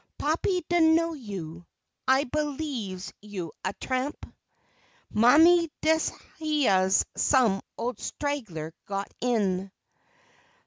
Pappy do' know you I b'lieves you's a tramp; Mammy, dis hyeah's some ol' straggler got in!